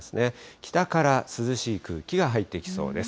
北から涼しい空気が入ってきそうです。